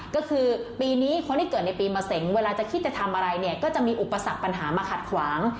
ก็คือปีนี้คนที่เกิดในปีมะเสงเวลาจะคิดจะทำอะไรเนี่ยก็จะมีอุปสรรคปัญหามาขัดขวาง